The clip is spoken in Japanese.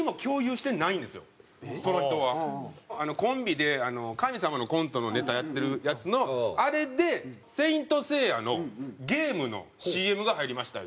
コンビで神様のコントのネタやってるやつのあれで「『聖闘士星矢』のゲームのＣＭが入りました」